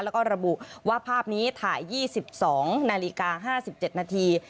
แล้วก็ระบุว่าภาพนี้ถ่าย๒๒นาฬิกา๕๗นาที